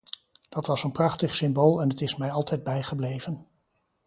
Dat was een prachtig symbool en het is mij altijd bijgebleven.